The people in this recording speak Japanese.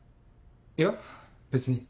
いや別に。